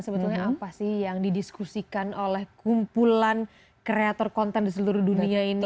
sebetulnya apa sih yang didiskusikan oleh kumpulan kreator konten di seluruh dunia ini